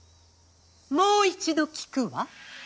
もう一度聞くわ。